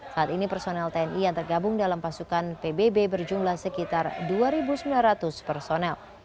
saat ini personel tni yang tergabung dalam pasukan pbb berjumlah sekitar dua sembilan ratus personel